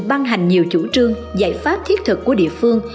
ban hành nhiều chủ trương giải pháp thiết thực của địa phương